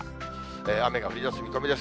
雨が降りだす見込みです。